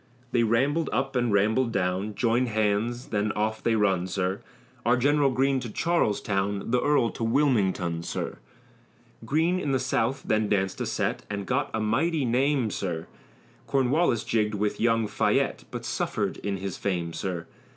They rambled up and rambled down, Joined hands, then off they run, sir. Our General Greene to Charlestown, The earl to Wilmington, sir. Greene in the South then danced a set, And got a mighty name, sir, Cornwallis jigged with young Fayette, But suffered in his fame, sir.